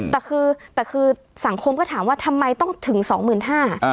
แต่คือแต่คือสังคมก็ถามว่าทำไมต้องถึงสองหมื่นห้า